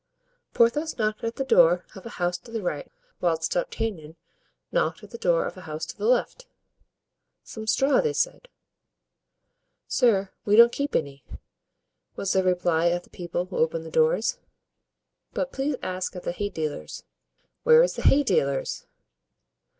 Porthos knocked at the door of a house to the right, whilst D'Artagnan knocked at the door of a house to the left. "Some straw," they said. "Sir, we don't keep any," was the reply of the people who opened the doors; "but please ask at the hay dealer's." "Where is the hay dealer's?"